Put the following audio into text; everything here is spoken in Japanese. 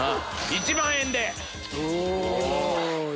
１万円で！